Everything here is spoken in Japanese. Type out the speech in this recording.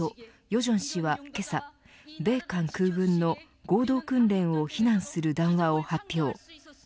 正氏はけさ、米韓空軍の合同訓練を非難する談話を発表。